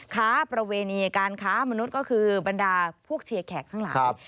ค้าประเวณีการค้ามนุษย์ก็คือบรรดาพวกเชียร์แขกทั้งหลาย